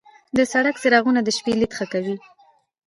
د سړک څراغونه د شپې لید ښه کوي.